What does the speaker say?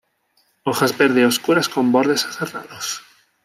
Hojas verde oscuras con bordes aserrados.